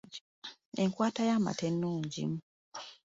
Enkwata y’amata ennungi.